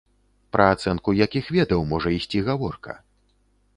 Пра ацэнку якіх ведаў можа ісці гаворка?